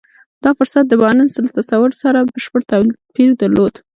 دا فرصت د بارنس له تصور سره بشپړ توپير درلود.